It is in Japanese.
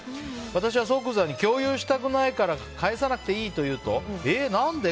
私は即座に共有したくないから返さなくていいと言うとで、何で？